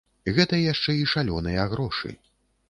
Гэта яшчэ і шалёныя грошы.